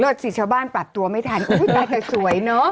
เลิศสิเช้าบ้านปรับตัวไม่ทันตายแต่สวยเนอะ